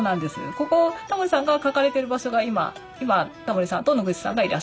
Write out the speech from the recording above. ここタモリさんが描かれてる場所が今タモリさんと野口さんがいらっしゃる場所なんですよ。